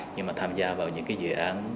nhưng mà tham gia vào những cái dự án